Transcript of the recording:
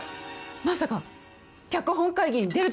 まさか脚本会議に出るつもりでは？